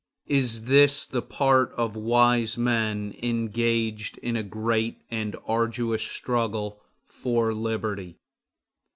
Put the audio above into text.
Is this the part of wise men engaged in a great and arduous struggle for liberty?